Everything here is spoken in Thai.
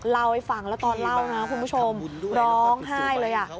เล่าให้ฟังแล้วตอนเล่านะคุณผู้ชมร้องไห้เลย